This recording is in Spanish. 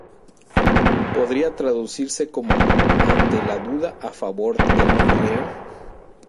Podría traducirse como "ante la duda, a favor del reo".